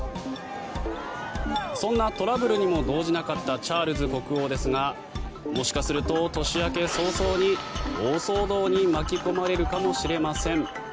そんなトラブルにも動じなかったチャールズ国王ですがもしかすると、年明け早々に大騒動に巻き込まれるかもしれません。